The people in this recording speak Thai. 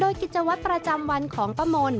โดยกิจวัตรประจำวันของป้ามน